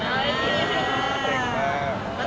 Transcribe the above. เสร็จมาก